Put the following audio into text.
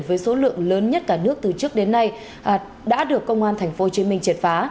với số lượng lớn nhất cả nước từ trước đến nay đã được công an tp hcm triệt phá